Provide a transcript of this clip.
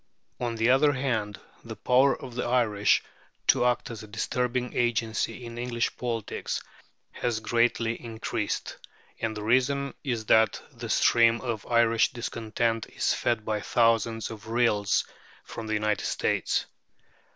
On the other hand the power of the Irish to act as a disturbing agency in English politics has greatly increased, and the reason is that the stream of Irish discontent is fed by thousands of rills from the United States.